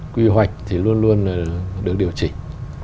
quy hoạch thì luôn luôn được điều chỉnh